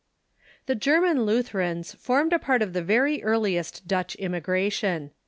] The German Lutherans formed a part of the very earliest Dutch immigration.